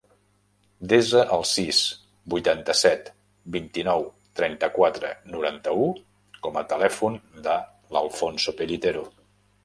Desa el sis, vuitanta-set, vint-i-nou, trenta-quatre, noranta-u com a telèfon de l'Alfonso Pellitero.